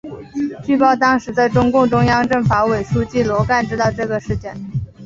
据报当时的中共中央政法委书记罗干知道这个事件。